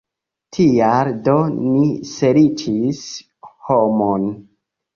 Tial do ni serĉis homon.